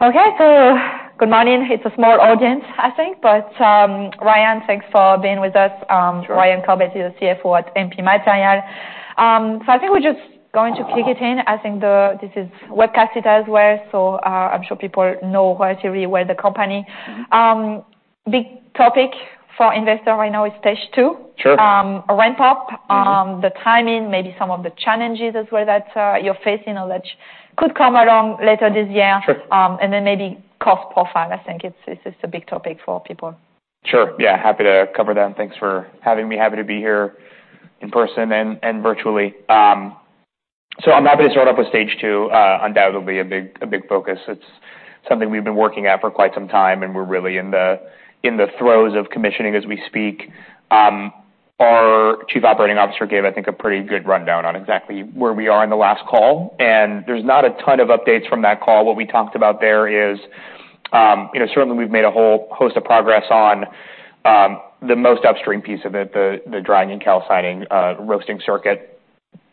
Good morning. It's a small audience, I think. Ryan, thanks for being with us. Sure. Ryan Corbett, the CFO at MP Materials. I think we're just going to kick it in. I think this is webcast as well, I'm sure people know relatively well the company. Big topic for investor right now is Stage II. Sure. Ramp up, the timing, maybe some of the challenges as well that, you're facing or that could come along later this year. Sure. Then maybe cost profile. I think it's a big topic for people. Sure. Yeah, happy to cover that. Thanks for having me. Happy to be here in person and virtually. I'm happy to start off with Stage II, undoubtedly a big focus. It's something we've been working at for quite some time, and we're really in the throes of commissioning as we speak. Our Chief Operating Officer gave, I think, a pretty good rundown on exactly where we are in the last call, and there's not a ton of updates from that call. What we talked about there is, you know, certainly we've made a whole host of progress on, the most upstream piece of it, the drying and calcining, roasting circuit.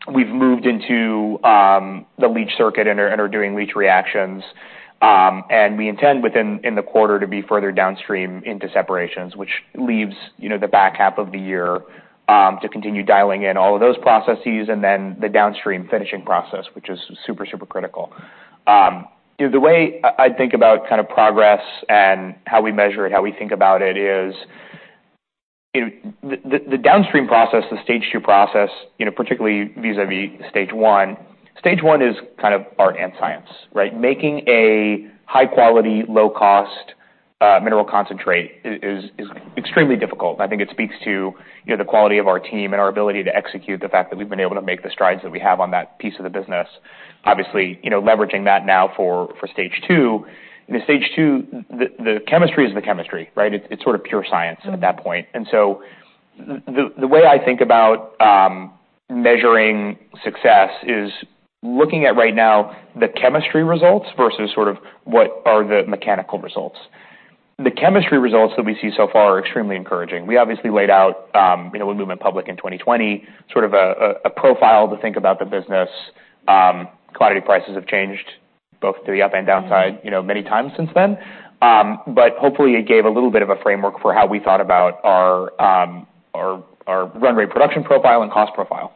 We've moved into the leach circuit and are doing leach reactions. We intend in the quarter to be further downstream into separations, which leaves, you know, the back half of the year to continue dialing in all of those processes and then the downstream finishing process, which is super critical. You know, the way I think about kind of progress and how we measure it, how we think about it, is, you know, the downstream process, the Stage II process, you know, particularly vis-à-vis Stage I, Stage I is kind of art and science, right? Making a high quality, low cost mineral concentrate is extremely difficult. I think it speaks to, you know, the quality of our team and our ability to execute the fact that we've been able to make the strides that we have on that piece of the business. Obviously, you know, leveraging that now for Stage II. The Stage II, the chemistry is the chemistry, right? It's sort of pure science at that point. So the way I think about measuring success is looking at, right now, the chemistry results versus what are the mechanical results. The chemistry results that we see so far are extremely encouraging. We obviously laid out, you know, when we went public in 2020, sort of a profile to think about the business. Commodity prices have changed both to the up and down side, you know, many times since then. But hopefully it gave a little bit of a framework for how we thought about our run rate production profile and cost profile.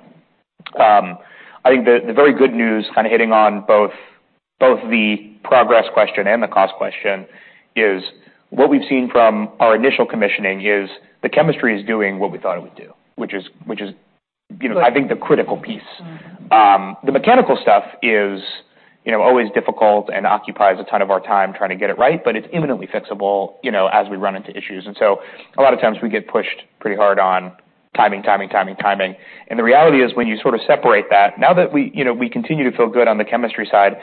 I think the very good news, kind of hitting on both the progress question and the cost question, is what we've seen from our initial commissioning is the chemistry is doing what we thought it would do, which is, you know, I think the critical piece. Mm-hmm. The mechanical stuff is, you know, always difficult and occupies a ton of our time trying to get it right, but it's imminently fixable, you know, as we run into issues. A lot of times we get pushed pretty hard on timing. The reality is, when you sort of separate that, now that we, you know, we continue to feel good on the chemistry side,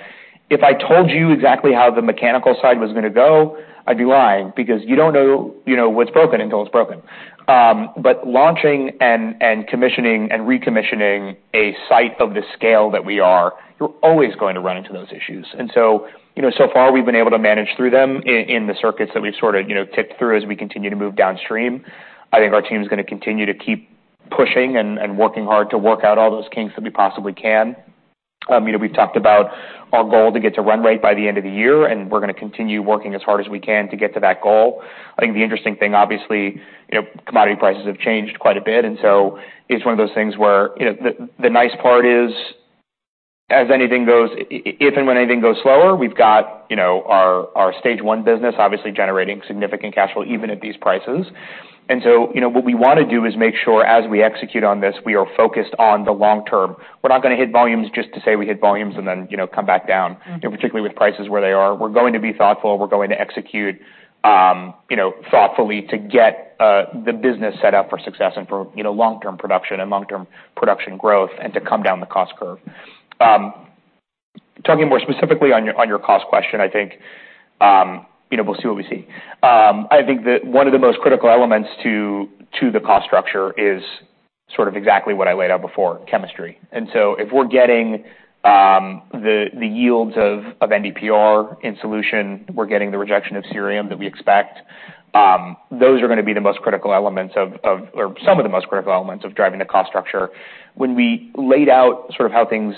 if I told you exactly how the mechanical side was going to go, I'd be lying, because you don't know, you know, what's broken until it's broken. Launching and commissioning and recommissioning a site of the scale that we are, you're always going to run into those issues. You know, so far we've been able to manage through them in the circuits that we've sort of, you know, ticked through as we continue to move downstream. I think our team is gonna continue to keep pushing and working hard to work out all those kinks that we possibly can. You know, we've talked about our goal to get to run rate by the end of the year, and we're gonna continue working as hard as we can to get to that goal. I think the interesting thing, obviously, you know, commodity prices have changed quite a bit, and so it's one of those things where, you know, the nice part is, as anything goes... If and when anything goes slower, we've got, you know, our Stage I business obviously generating significant cash flow even at these prices. You know, what we want to do is make sure as we execute on this, we are focused on the long term. We're not gonna hit volumes just to say we hit volumes and then, you know, come back down. Mm-hmm. You know, particularly with prices where they are, we're going to be thoughtful. We're going to execute, you know, thoughtfully to get the business set up for success and for, you know, long-term production and long-term production growth and to come down the cost curve. Talking more specifically on your, on your cost question, I think, you know, we'll see what we see. I think that one of the most critical elements to the cost structure is sort of exactly what I laid out before, chemistry. If we're getting the yields of NdPr in solution, we're getting the rejection of cerium that we expect, those are gonna be the most critical elements or some of the most critical elements of driving the cost structure. When we laid out sort of how things,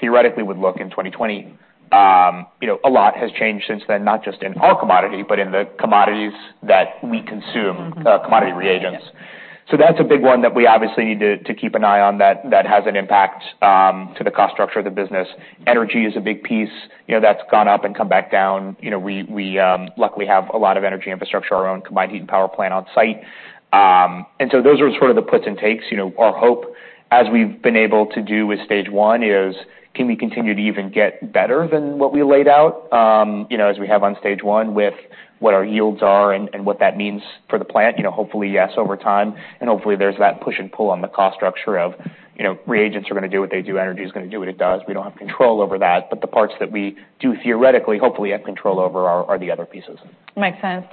theoretically would look in 2020, you know, a lot has changed since then, not just in our commodity, but in the commodities that we consume- Mm-hmm. commodity reagents. That's a big one that we obviously need to keep an eye on, that has an impact to the cost structure of the business. Energy is a big piece, you know, that's gone up and come back down. You know, we luckily have a lot of energy infrastructure, our own combined heat and power plant on site. Those are sort of the puts and takes. You know, our hope, as we've been able to do with Stage I, is can we continue to even get better than what we laid out? You know, as we have on Stage I with what our yields are and what that means for the plant. You know, hopefully, yes, over time, and hopefully there's that push and pull on the cost structure of, you know, reagents are gonna do what they do, energy is gonna do what it does. We don't have control over that, but the parts that we do theoretically, hopefully have control over are the other pieces. Makes sense.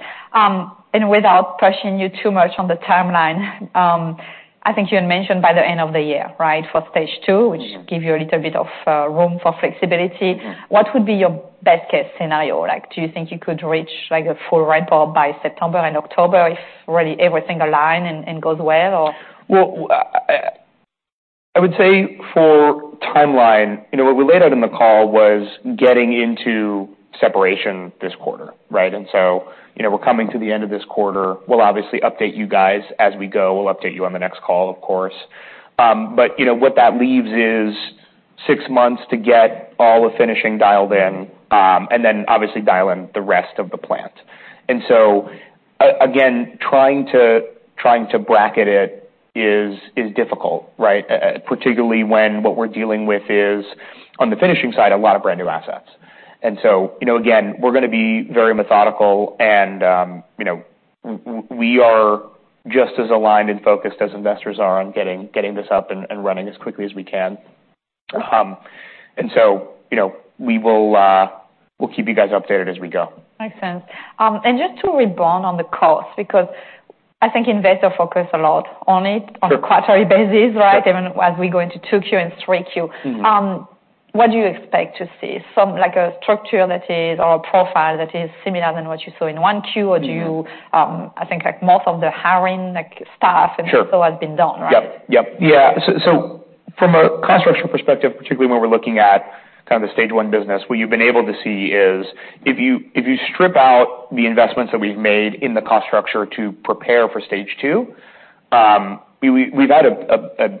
Without pushing you too much on the timeline, I think you had mentioned by the end of the year, right, for Stage II? Mm-hmm. which give you a little bit of room for flexibility. Yeah. What would be your best case scenario? Like, do you think you could reach, like, a full ramp up by September and October, if really everything align and goes well, or? I would say for timeline, you know, what we laid out in the call was getting into separation this quarter, right? you know, we're coming to the end of this quarter. We'll obviously update you guys as we go. We'll update you on the next call, of course. you know, what that leaves is six months to get all the finishing dialed in, and then obviously dial in the rest of the plant. again, trying to bracket it is difficult, right? particularly when what we're dealing with is, on the finishing side, a lot of brand new assets. You know, again, we're gonna be very methodical and, you know, we are just as aligned and focused as investors are on getting this up and running as quickly as we can. You know, we will, we'll keep you guys updated as we go. Makes sense. Just to rebound on the cost, because I think investors focus a lot on it. Sure. on a quarterly basis, right? Sure. Even as we go into two Q and three Q. Mm-hmm. What do you expect to see? Some, like, a structure that is, or a profile that is similar than what you saw in one Q, Mm-hmm. I think, like most of the hiring, like, staff. Sure Has been done, right? Yep. Yeah, so from a cost structure perspective, particularly when we're looking at kind of the Stage I business, what you've been able to see is if you, if you strip out the investments that we've made in the cost structure to prepare for Stage II, we've had a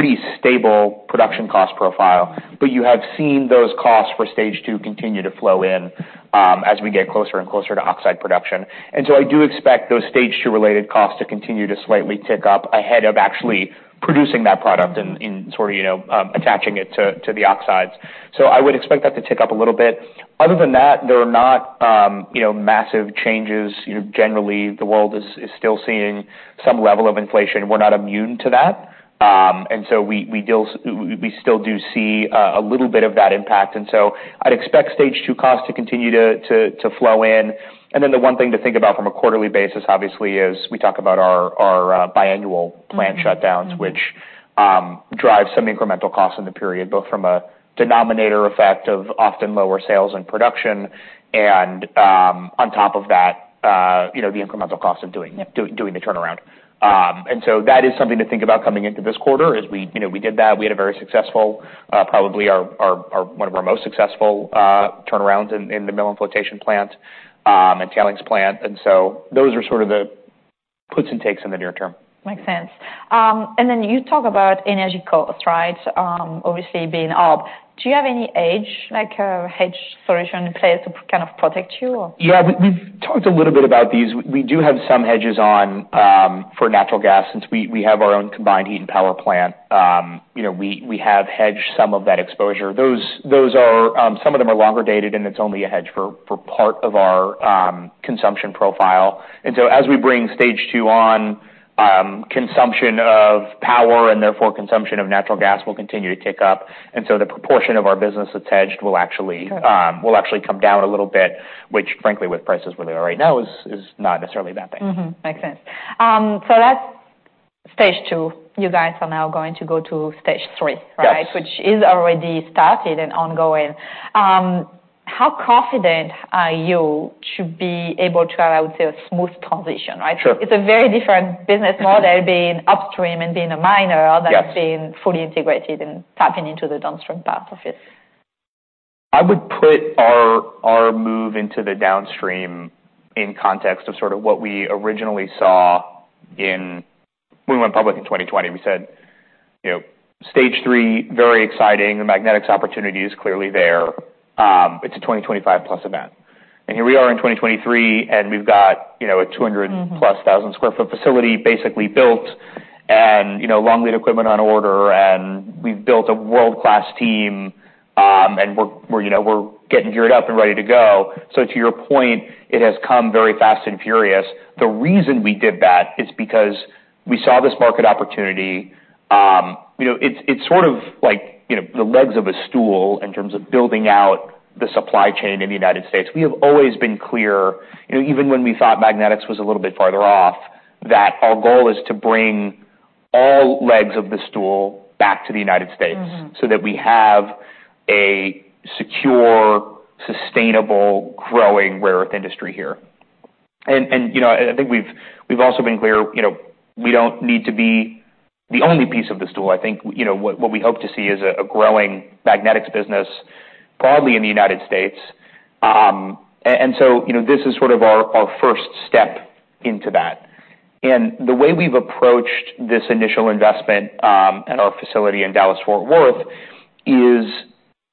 pretty stable production cost profile. You have seen those costs for Stage II continue to flow in, as we get closer and closer to oxide production. I do expect those Stage II-related costs to continue to slightly tick up ahead of actually producing that product and sort of, you know, attaching it to the oxides. I would expect that to tick up a little bit. Other than that, there are not, you know, massive changes. You know, generally, the world is still seeing some level of inflation. We're not immune to that. We still do see a little bit of that impact, so I'd expect Stage II costs to continue to flow in. The one thing to think about from a quarterly basis, obviously, is we talk about our biannual plant shutdowns. Mm-hmm... which drive some incremental costs in the period, both from a denominator effect of often lower sales and production, on top of that, you know, the incremental cost of doing the turnaround. That is something to think about coming into this quarter. As we, you know, we did that. We had a very successful, probably our-- one of our most successful turnarounds in the mill and flotation plant, and tailings plant. Those are sort of the puts and takes in the near term. Makes sense. You talk about energy costs, right? Obviously being up, do you have any hedge, like, a hedge solution in place to kind of protect you or? Yeah, we've talked a little bit about these. We do have some hedges on for natural gas. Since we have our own combined heat and power plant, you know, we have hedged some of that exposure. Those are some of them are longer dated, and it's only a hedge for part of our consumption profile. As we bring Stage II on, consumption of power and therefore consumption of natural gas, will continue to tick up. The proportion of our business that's hedged will. Sure... will actually come down a little bit, which frankly, with prices where they are right now, is not necessarily a bad thing. Makes sense. That's Stage II. You guys are now going to go to Stage III, right? Yes. Which is already started and ongoing. How confident are you to be able to have, say, a smooth transition, right? Sure. It's a very different business model. Mm-hmm being upstream and being a miner- Yes than being fully integrated and tapping into the downstream part of it. I would put our move into the downstream in context of sort of what we originally saw in. We went public in 2020. We said, you know, Stage III, very exciting. The magnetics opportunity is clearly there. It's a 2025+ event. Here we are in 2023, and we've got, you know. Mm-hmm - plus 1,000 sq ft facility basically built and, you know, long-lead equipment on order, and we've built a world-class team. We're, you know, we're getting geared up and ready to go. To your point, it has come very fast and furious. The reason we did that is because we saw this market opportunity. You know, it's sort of like, you know, the legs of a stool in terms of building out the supply chain in the United States. We have always been clear, you know, even when we thought magnetics was a little bit farther off, that our goal is to bring all legs of the stool back to the United States- Mm-hmm... so that we have a secure, sustainable, growing rare earth industry here. You know, and I think we've also been clear, you know, we don't need to be the only piece of the stool. I think, you know, what we hope to see is a growing magnetics business, broadly in the United States. So, you know, this is sort of our first step into that. The way we've approached this initial investment at our facility in Dallas-Fort Worth, is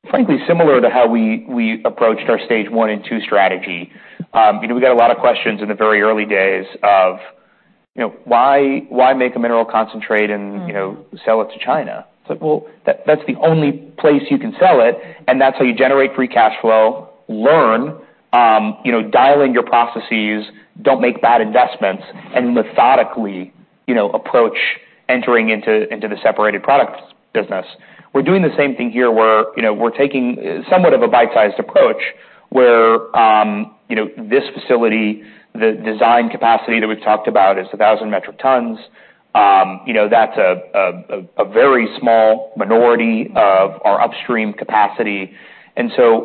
frankly similar to how we approached our Stage I and II strategy. You know, we got a lot of questions in the very early days of, you know, "Why, why make a mineral concentrate and- Mm - you know, sell it to China?" It's like, well, that's the only place you can sell it, and that's how you generate free cash flow, learn, you know, dial in your processes, don't make bad investments, and methodically, you know, approach entering into the separated products business. We're doing the same thing here, where, you know, we're taking somewhat of a bite-sized approach, where, you know, this facility, the design capacity that we've talked about is 1,000 metric tons. You know, that's a very small minority of our upstream capacity,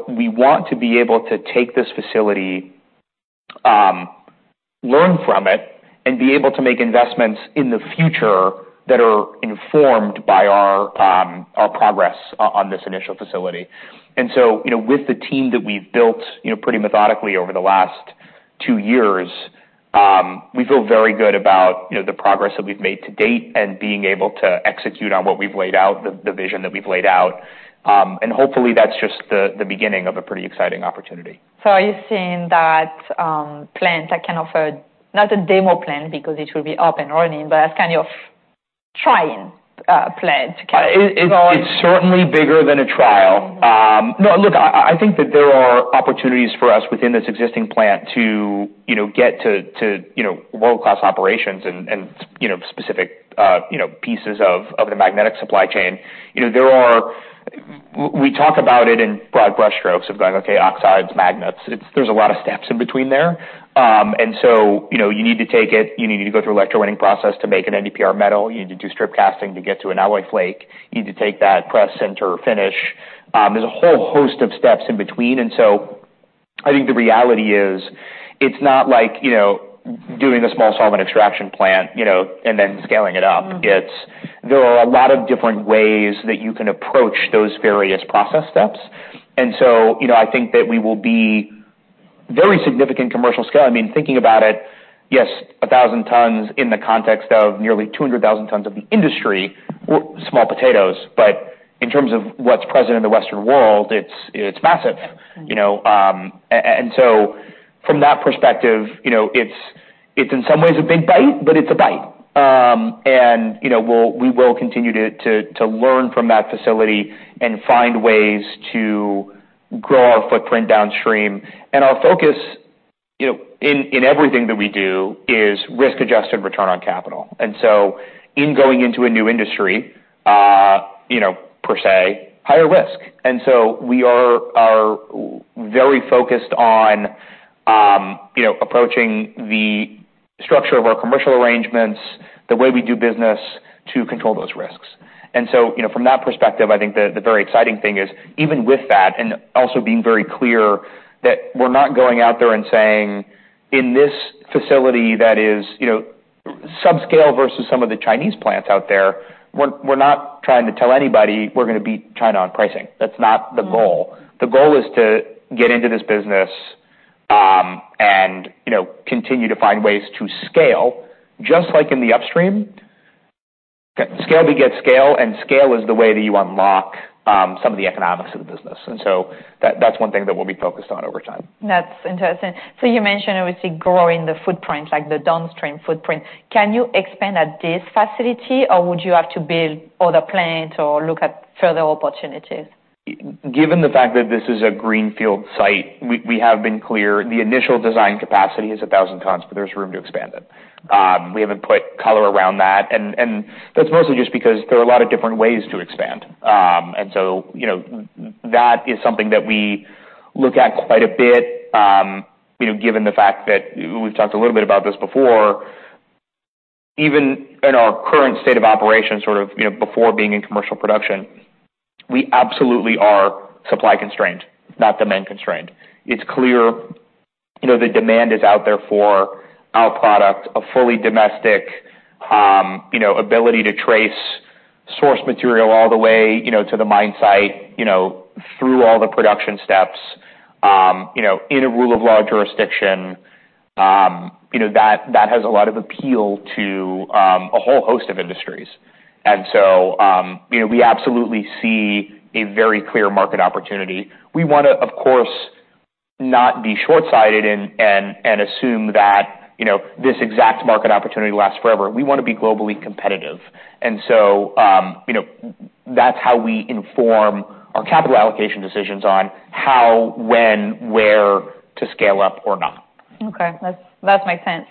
we want to be able to take this facility, learn from it and be able to make investments in the future that are informed by our progress on this initial facility. You know, with the team that we've built, you know, pretty methodically over the last 2 years, we feel very good about, you know, the progress that we've made to date and being able to execute on what we've laid out, the vision that we've laid out. Hopefully that's just the beginning of a pretty exciting opportunity. Are you saying that, plants that can offer-- not a demo plant, because it will be up and running, but as kind of trying plant to kind of go on? It's certainly bigger than a trial. No, look, I think that there are opportunities for us within this existing plant to, you know, get to, you know, world-class operations and, you know, specific, you know, pieces of the magnetic supply chain. You know, we talk about it in broad brush strokes of going, okay, oxides, magnets. There's a lot of steps in between there. You know, you need to take it, you need to go through an electrowinning process to make an NdPr metal. You need to do strip casting to get to an alloy flake. You need to take that press, sinter, finish. There's a whole host of steps in between, and so I think the reality is, it's not like, you know, doing a small solvent extraction plant, you know, and then scaling it up. Mm-hmm. There are a lot of different ways that you can approach those various process steps. you know, I think that we will be very significant commercial scale. I mean, thinking about it, yes, 1,000 tons in the context of nearly 200,000 tons of the industry, small potatoes, but in terms of what's present in the Western world, it's massive. Mm-hmm. You know, from that perspective, you know, it's in some ways a big bite, but it's a bite. You know, we will continue to learn from that facility and find ways to grow our footprint downstream. Our focus, you know, in everything that we do, is risk-adjusted return on capital. In going into a new industry, you know, per se, higher risk. We are very focused on, you know, approaching the structure of our commercial arrangements, the way we do business, to control those risks. you know, from that perspective, I think the very exciting thing is, even with that, and also being very clear that we're not going out there and saying, in this facility that is, you know, subscale versus some of the Chinese plants out there, we're not trying to tell anybody we're gonna beat China on pricing. That's not the goal. Mm-hmm. The goal is to get into this business, and, you know, continue to find ways to scale, just like in the upstream. Scale to get scale, and scale is the way that you unlock, some of the economics of the business. That's one thing that we'll be focused on over time. That's interesting. You mentioned, obviously, growing the footprint, like the downstream footprint. Can you expand at this facility, or would you have to build other plant or look at further opportunities? Given the fact that this is a greenfield site, we have been clear, the initial design capacity is 1,000 tons. There's room to expand it. We haven't put color around that, and that's mostly just because there are a lot of different ways to expand. You know, that is something that we look at quite a bit. You know, given the fact that, we've talked a little bit about this before, even in our current state of operation, sort of, you know, before being in commercial production, we absolutely are supply constrained, not demand constrained. It's clear, you know, the demand is out there for our product, a fully domestic, you know, ability to trace source material all the way, you know, to the mine site, you know, through all the production steps, you know, in a rule of law jurisdiction. You know, that has a lot of appeal to, a whole host of industries. You know, we absolutely see a very clear market opportunity. We wanna, of course, not be short-sighted and assume that, you know, this exact market opportunity lasts forever. We wanna be globally competitive. You know, that's how we inform our capital allocation decisions on how, when, where to scale up or not. Okay. That makes sense.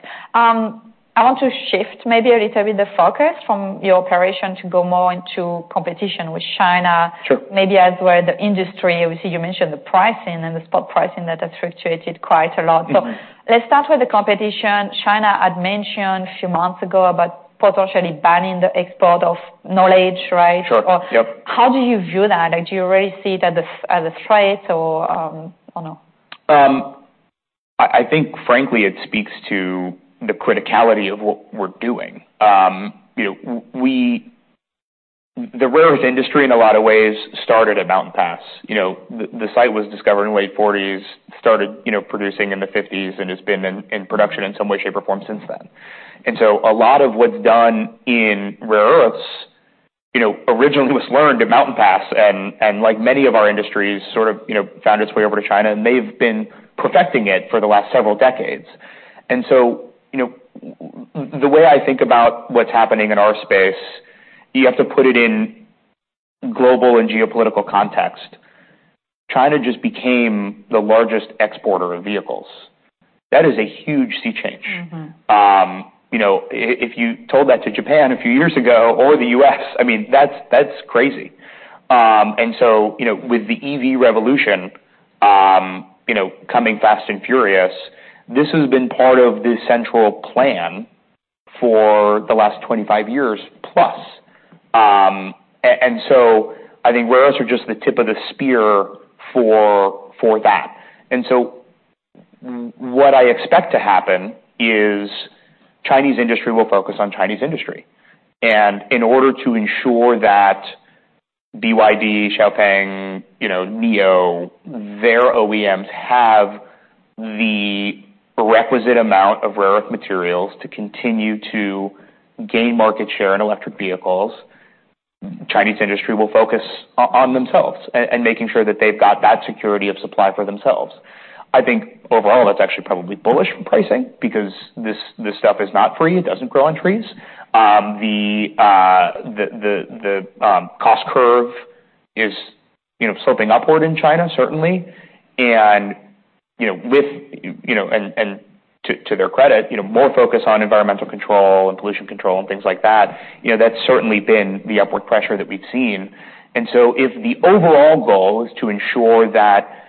I want to shift maybe a little bit, the focus from your operation to go more into competition with China. Sure. Maybe as where the industry, we see you mentioned the pricing and the spot pricing, that has fluctuated quite a lot. Mm-hmm. Let's start with the competition. China had mentioned a few months ago about potentially banning the export of knowledge, right? Sure. Yep. How do you view that? Do you already see it as a threat or or no? I think frankly, it speaks to the criticality of what we're doing. You know, the rare earth industry, in a lot of ways, started at Mountain Pass. You know, the site was discovered in the late 1940s, started, you know, producing in the 1950s, and it's been in production in some way, shape, or form since then. A lot of what's done in rare earths, you know, originally was learned at Mountain Pass, and like many of our industries, sort of, you know, found its way over to China, and they've been perfecting it for the last several decades. You know, the way I think about what's happening in our space, you have to put it in global and geopolitical context. China just became the largest exporter of vehicles. That is a huge sea change. Mm-hmm. you know, if you told that to Japan a few years ago or the US, I mean, that's crazy. you know, with the EV revolution, you know, coming fast and furious, this has been part of the central plan for the last 25 years plus. I think rare earths are just the tip of the spear for that. What I expect to happen is Chinese industry will focus on Chinese industry. In order to ensure that BYD, XPeng, you know, NIO, their OEMs have the requisite amount of rare earth materials to continue to gain market share in electric vehicles, Chinese industry will focus on themselves and making sure that they've got that security of supply for themselves. I think overall, that's actually probably bullish for pricing because this stuff is not free. It doesn't grow on trees. The cost curve is, you know, sloping upward in China, certainly. You know, with, you know, to their credit, you know, more focus on environmental control and pollution control and things like that, you know, that's certainly been the upward pressure that we've seen. If the overall goal is to ensure that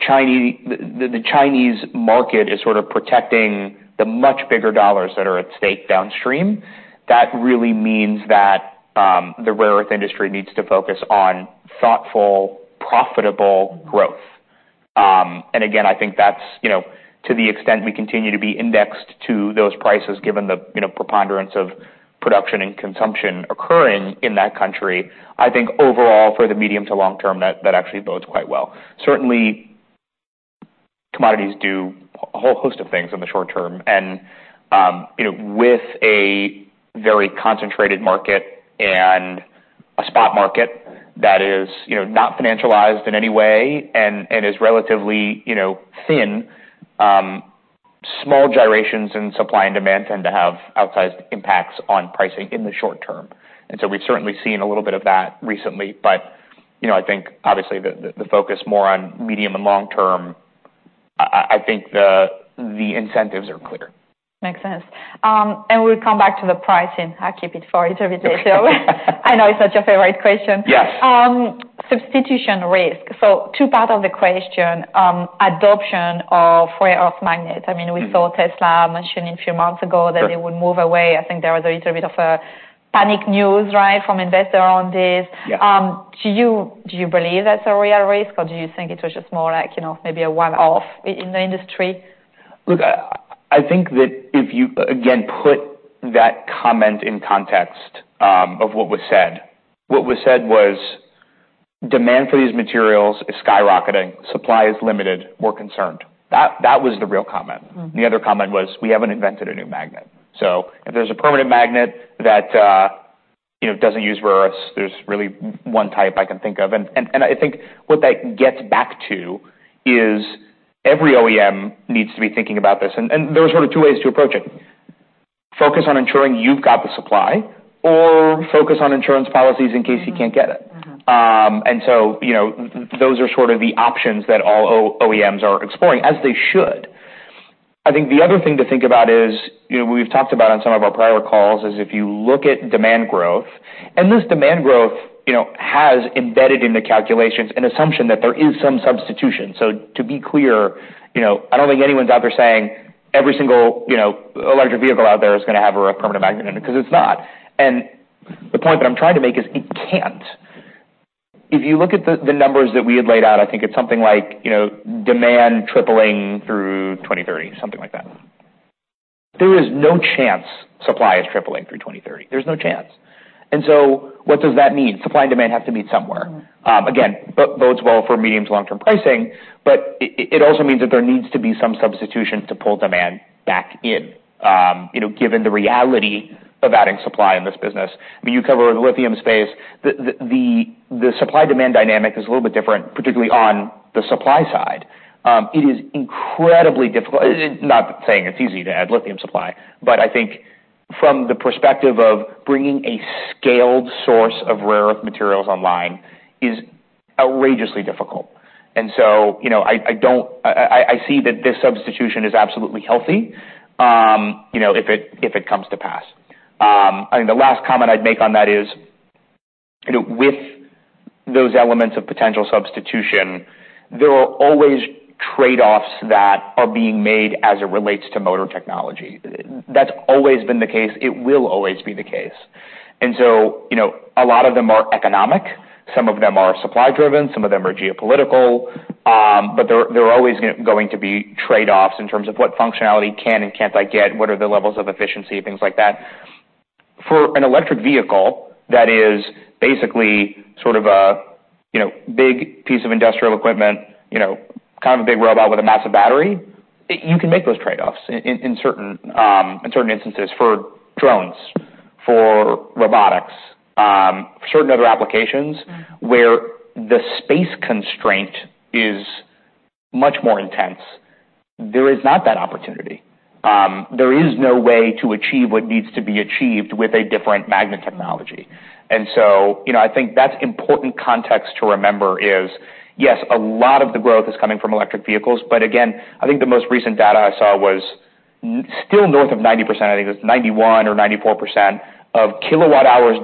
Chinese the Chinese market is sort of protecting the much bigger dollars that are at stake downstream, that really means that the rare earth industry needs to focus on thoughtful, profitable growth. Again, I think that's, you know, to the extent we continue to be indexed to those prices, given the, you know, preponderance of production and consumption occurring in that country, I think overall, for the medium to long term, that actually bodes quite well. Certainly, commodities do a whole host of things in the short term, you know, with a very concentrated market and a spot market that is, you know, not financialized in any way and is relatively, you know, thin, small gyrations in supply and demand tend to have outsized impacts on pricing in the short term. We've certainly seen a little bit of that recently, but, you know, I think obviously the focus more on medium and long term, I think the incentives are clear. Makes sense. We'll come back to the pricing. I'll keep it for every day. I know it's not your favorite question. Yes. substitution risk. two part of the question, adoption of rare earth magnets. I mean, we saw Tesla mentioning a few months ago. Yes that they would move away. I think there was a little bit of a panic news, right, from investor on this. Yeah. Do you believe that's a real risk, or do you think it was just more like, you know, maybe a one-off in the industry? Look, I think that if you, again, put that comment in context, of what was said, what was said was: "Demand for these materials is skyrocketing. Supply is limited. We're concerned." That was the real comment. Mm. The other comment was: "We haven't invented a new magnet." If there's a permanent magnet that, you know, doesn't use rare earths, there's really one type I can think of. I think what that gets back to is every OEM needs to be thinking about this, and there are sort of two ways to approach it: Focus on ensuring you've got the supply, or focus on insurance policies in case you can't get it. Mm-hmm. You know, those are sort of the options that all OEMs are exploring, as they should. I think the other thing to think is, you know, we've talked about on some of our prior calls, if you look at demand growth. This demand growth, you know, has embedded in the calculations an assumption that there is some substitution. To be clear, you know, I don't think anyone's out there saying every single, you know, electric vehicle out there is gonna have a rare permanent magnet in it, 'cause it's not. The point that I'm trying to make is it can't. If you look at the numbers that we had laid out, I think it's something like, you know, demand tripling through 2030, something like that. There is no chance supply is tripling through 2030. There's no chance. What does that mean? Supply and demand have to meet somewhere. Mm. Again, bodes well for medium to long-term pricing, but it also means that there needs to be some substitution to pull demand back in, you know, given the reality of adding supply in this business. I mean, you cover the lithium space. The supply-demand dynamic is a little bit different, particularly on the supply side. It is incredibly difficult. Not saying it's easy to add lithium supply, but I think from the perspective of bringing a scaled source of rare earth materials online is outrageously difficult. You know, I see that this substitution is absolutely healthy, you know, if it comes to pass. I think the last comment I'd make on that is, you know, with those elements of potential substitution, there are always going to be trade-offs that are being made as it relates to motor technology. That's always been the case. It will always be the case. you know, a lot of them are economic, some of them are supply-driven, some of them are geopolitical. but there are always going to be trade-offs in terms of what functionality can and can't I get, what are the levels of efficiency, things like that. For an electric vehicle, that is basically sort of a, you know, big piece of industrial equipment, you know, kind of a big robot with a massive battery, you can make those trade-offs in certain instances. For drones, for robotics, certain other applications- Mm... where the space constraint is much more intense, there is not that opportunity. There is no way to achieve what needs to be achieved with a different magnet technology. You know, I think that's important context to remember is: Yes, a lot of the growth is coming from electric vehicles, but again, I think the most recent data I saw was still north of 90%, I think it was 91% or 94% of kilowatt-hours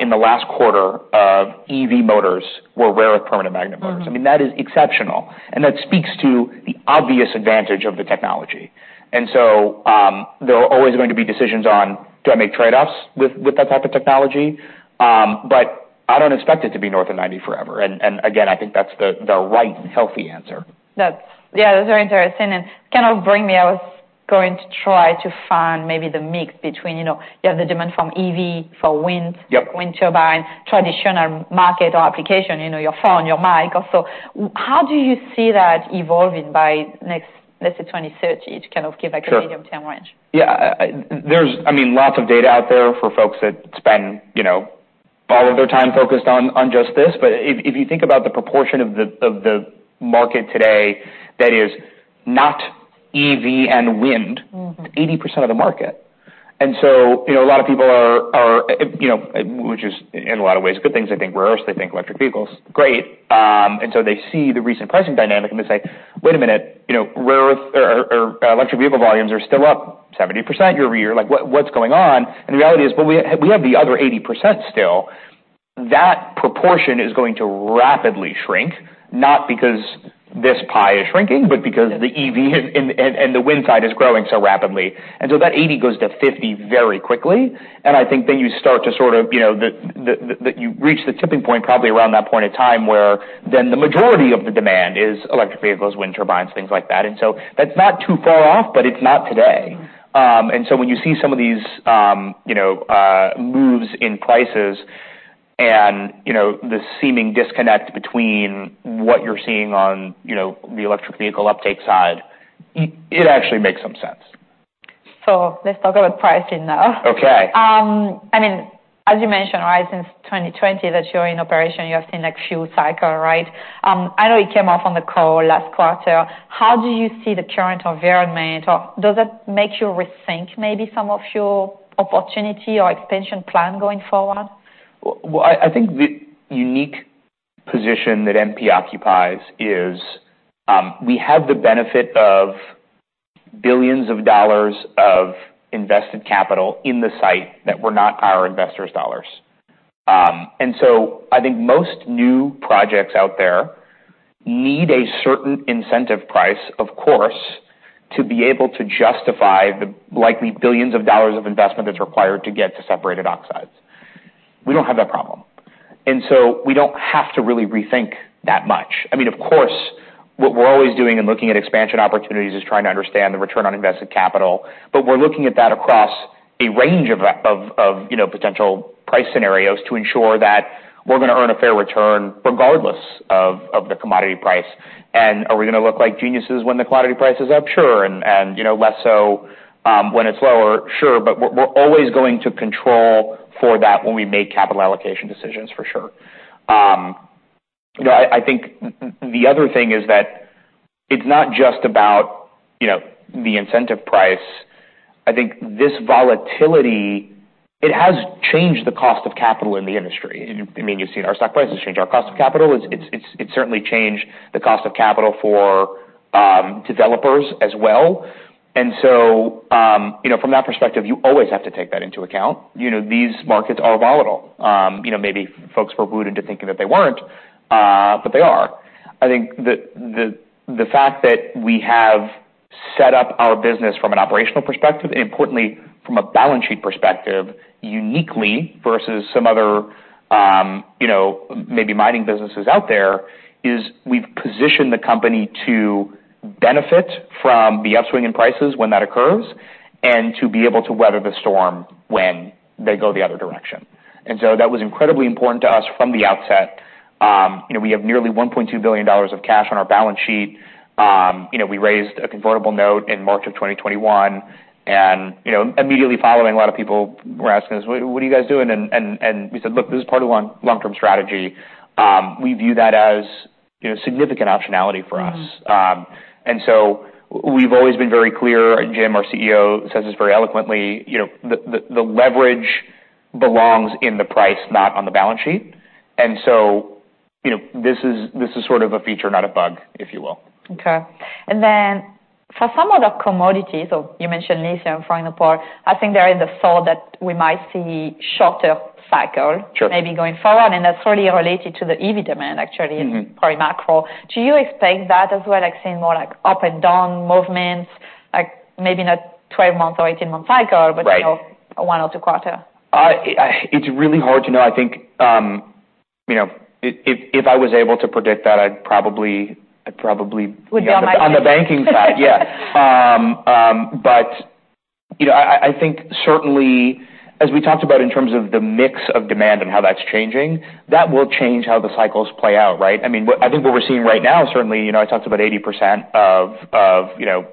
in the last quarter of EV motors were rare earth permanent magnet motors. Mm-hmm. I mean, that is exceptional, and that speaks to the obvious advantage of the technology. There are always going to be decisions on, do I make trade-offs with that type of technology? I don't expect it to be north of 90 forever. Again, I think that's the right and healthy answer. Yeah, that's very interesting. I was going to try to find maybe the mix between, you know, you have the demand from EV, for wind. Yep. - wind turbine, traditional market or application, you know, your phone, your mic also. How do you see that evolving by next, let's say, 2030? To kind of give like a. Sure... medium-term range. Yeah. There's, I mean, lots of data out there for folks that spend, you know, all of their time focused on just this. If you think about the proportion of the market today that is not EV and wind- Mm-hmm... 80% of the market. You know, a lot of people are, you know, which is in a lot of ways, good things, I think, where else they think electric vehicles, great. They see the recent pricing dynamic, and they say: "Wait a minute, you know, rare earth or electric vehicle volumes are still up 70% year-over-year. Like, what's going on?" The reality is, but we have the other 80% still. That proportion is going to rapidly shrink, not because this pie is shrinking, but because the EV and the wind side is growing so rapidly. That 80 goes to 50 very quickly. I think then you start to sort of, you know, you reach the tipping point, probably around that point of time, where then the majority of the demand is electric vehicles, wind turbines, things like that. That's not too far off, but it's not today. Mm-hmm. When you see some of these, you know, moves in prices and, you know, the seeming disconnect between what you're seeing on, you know, the electric vehicle uptake side, it actually makes some sense. Let's talk about pricing now. Okay. I mean, as you mentioned, right, since 2020, that you're in operation, you have seen, like, few cycle, right? I know it came off on the call last quarter. How do you see the current environment, or does it make you rethink maybe some of your opportunity or expansion plan going forward? Well, I think the unique position that MP occupies is, we have the benefit of billions of dollars of invested capital in the site that were not our investors' dollars. I think most new projects out there need a certain incentive price, of course, to be able to justify the likely billions of dollars of investment that's required to get to separated oxides. We don't have that problem. We don't have to really rethink that much. I mean, of course, what we're always doing and looking at expansion opportunities is trying to understand the ROI, but we're looking at that across a range of, you know, potential price scenarios to ensure that we're gonna earn a fair return regardless of the commodity price. Are we gonna look like geniuses when the commodity price is up? Sure. You know, less so, when it's lower, sure. We're always going to control for that when we make capital allocation decisions, for sure. You know, I think the other thing is that it's not just about, you know, the incentive price. I think this volatility, it has changed the cost of capital in the industry. I mean, you've seen our stock prices change. Our cost of capital, it's, it certainly changed the cost of capital for developers as well. You know, from that perspective, you always have to take that into account. You know, these markets are volatile. You know, maybe folks were booted into thinking that they weren't, but they are. I think the fact that we have set up our business from an operational perspective, and importantly, from a balance sheet perspective, uniquely versus some other, you know, maybe mining businesses out there, is we've positioned the company to benefit from the upswing in prices when that occurs, and to be able to weather the storm when they go the other direction. That was incredibly important to us from the outset. You know, we have nearly $1,200,000,000 of cash on our balance sheet. You know, we raised a convertible note in March of 2021, and, you know, immediately following, a lot of people were asking us: "What are you guys doing?" We said: Look, this is part of a long-term strategy. We view that as, you know, significant optionality for us. Mm-hmm. we've always been very clear, and Jim, our CEO, says this very eloquently, you know, the, the leverage belongs in the price, not on the balance sheet. you know, this is sort of a feature, not a bug, if you will. Okay. For some other commodities, so you mentioned lithium from the port, I think there is the thought that we might see shorter cycle... Sure... maybe going forward, and that's really related to the EV demand actually. Mm-hmm... probably macro. Do you expect that as well, like seeing more like up and down movements, like maybe not 12 months or 18 months cycle? Right... you know, one or two quarter? It's really hard to know. I think, you know, if I was able to predict that, I'd probably. Would be on my team. On the banking side, yeah. You know, I think certainly as we talked about in terms of the mix of demand and how that's changing, that will change how the cycles play out, right? I mean, I think what we're seeing right now, certainly, you know, I talked about 80% of, you know,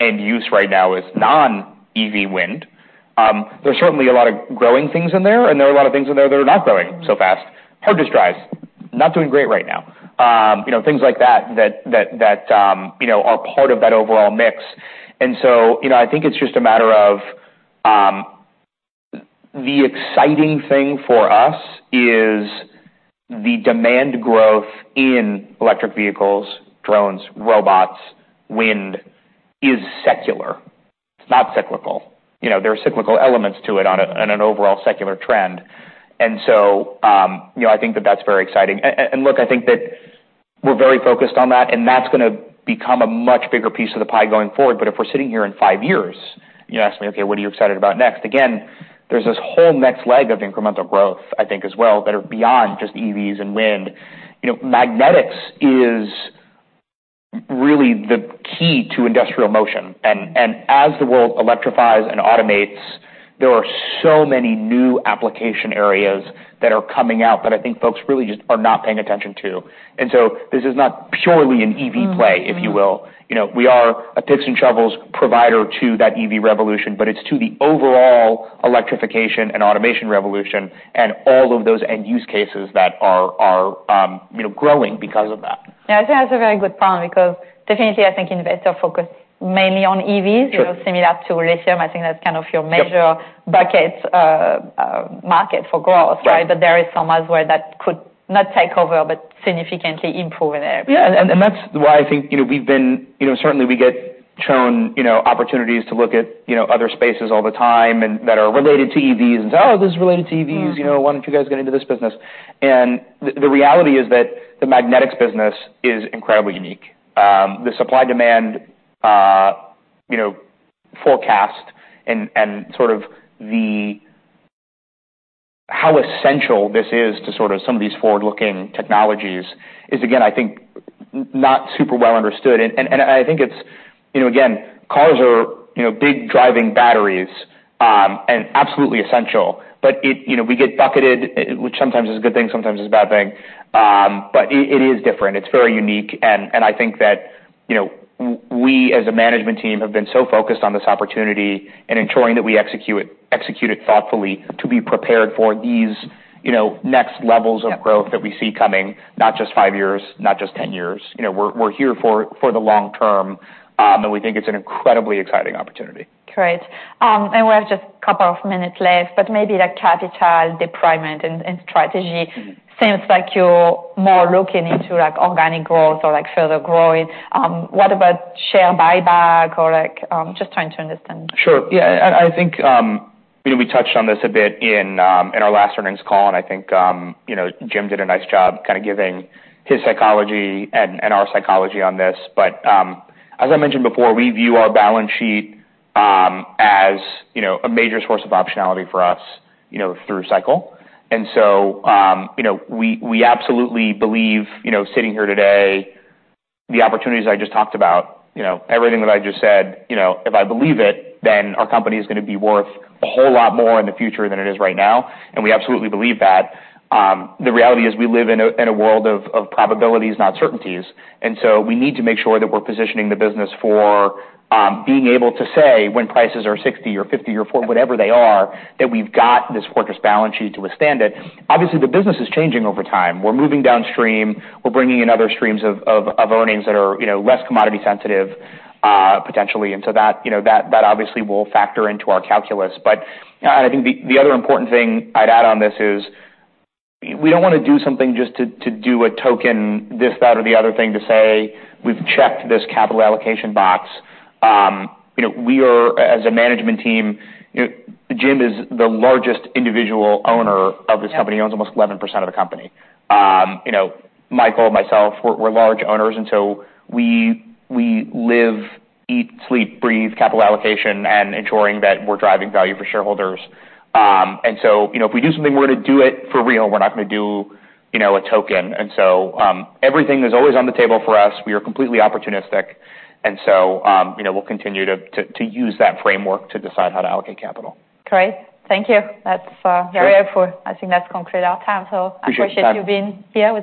end use right now is non-EV wind. There's certainly a lot of growing things in there, and there are a lot of things in there that are not growing so fast. Mm-hmm. hard disk drives, not doing great right now. You know, things like that, you know, are part of that overall mix. You know, I think it's just a matter of, the exciting thing for us is the demand growth in electric vehicles, drones, robots, wind, is secular, it's not cyclical. You know, there are cyclical elements to it on a, on an overall secular trend. You know, I think that that's very exciting. Look, I think that we're very focused on that, and that's gonna become a much bigger piece of the pie going forward. If we're sitting here in five years, you ask me, "Okay, what are you excited about next?" Again, there's this whole next leg of incremental growth, I think, as well, that are beyond just EVs and wind. You know, magnetics is really the key to industrial motion. As the world electrifies and automates, there are so many new application areas that are coming out that I think folks really just are not paying attention to. This is not purely an EV play. Mm, mm. -if you will. You know, we are a picks and shovels provider to that EV revolution, but it's to the overall electrification and automation revolution and all of those end-use cases that are, you know, growing because of that. Yeah, I think that's a very good point, because definitely I think investors focus mainly on EVs... Sure. you know, similar to lithium. I think that's kind of your major- Yep buckets, market for growth, right? Yeah. There is some elsewhere that could, not take over, but significantly improve in there. Yeah, that's why I think, you know, certainly we get shown, you know, opportunities to look at, you know, other spaces all the time and, that are related to EVs, and say, "Oh, this is related to EVs... Mm. - you know, why don't you guys get into this business?" The reality is that the magnetics business is incredibly unique. The supply-demand, you know, forecast and sort of the how essential this is to sort of some of these forward-looking technologies is, again, I think, not super well understood. I think it's. You know, again, cars are, you know, big driving batteries, and absolutely essential. It, you know, we get bucketed, which sometimes is a good thing, sometimes is a bad thing. It, it is different. It's very unique. I think that, you know, we, as a management team, have been so focused on this opportunity and ensuring that we execute it thoughtfully to be prepared for these, you know, next levels of growth. Yeah -that we see coming, not just five years, not just 10 years. You know, we're here for the long term, and we think it's an incredibly exciting opportunity. Great. We have just a couple of minutes left, but maybe like capital deployment and strategy. Mm. Seems like you're more looking into, like, organic growth or, like, further growing. What about share buyback or like? Just trying to understand. Sure. Yeah, I think, you know, we touched on this a bit in our last earnings call, I think, you know, Jim did a nice job kind of giving his psychology and our psychology on this. As I mentioned before, we view our balance sheet, as, you know, a major source of optionality for us, you know, through cycle. We, we absolutely believe, you know, sitting here today, the opportunities I just talked about, you know, everything that I just said, you know, if I believe it, then our company is gonna be worth a whole lot more in the future than it is right now, and we absolutely believe that. The reality is, we live in a world of probabilities, not certainties, and so we need to make sure that we're positioning the business for being able to say when prices are 60 or 50 or 40, whatever they are, that we've got this fortress balance sheet to withstand it. Obviously, the business is changing over time. We're moving downstream. We're bringing in other streams of earnings that are, you know, less commodity sensitive, potentially, and so that, you know, that obviously will factor into our calculus. I think the other important thing I'd add on this is, we don't want to do something just to do a token, this, that, or the other thing to say, "We've checked this capital allocation box." You know, we are, as a management team... You know, Jim is the largest individual owner of this company. Yeah. He owns almost 11% of the company. you know, Michael, myself, we're large owners, we live, eat, sleep, breathe capital allocation and ensuring that we're driving value for shareholders. you know, if we do something, we're gonna do it for real. We're not gonna do, you know, a token. Everything is always on the table for us. We are completely opportunistic, you know, we'll continue to use that framework to decide how to allocate capital. Great. Thank you. That's. Sure... very helpful. I think that's concluded our time. Appreciate that. I appreciate you being here with us.